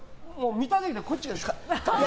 見ただけで、こっちが。